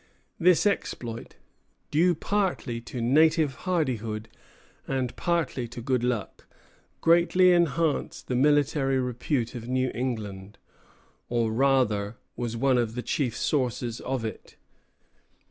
This exploit, due partly to native hardihood and partly to good luck, greatly enhanced the military repute of New England, or rather was one of the chief sources of it.